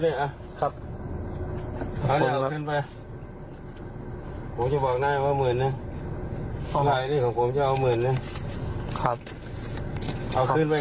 น้องลูกแหลมขอค่าน้ำมันค่าข้าวกลับไป